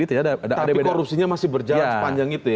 tapi korupsinya masih berjalan sepanjang itu ya